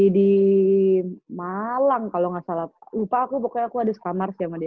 di malang kalo ga salah lupa aku pokoknya aku ada sekamar sih sama dia